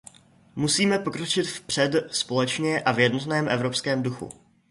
Musíme pokročit vpřed společně a v jednotném evropském duchu.